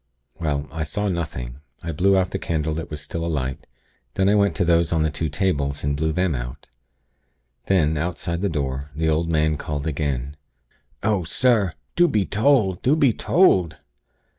Well, I saw nothing. I blew out the candle that was still alight; then I went to those on the two tables, and blew them out. Then, outside of the door, the old man called again: 'Oh! sir, do be told! Do be told!'